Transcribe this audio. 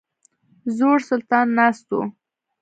زوړ سلطان ناست وو.